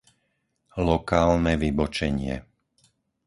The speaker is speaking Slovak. lokálne vybočenie